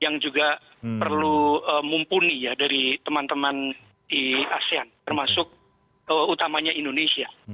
yang juga perlu mumpuni ya dari teman teman di asean termasuk utamanya indonesia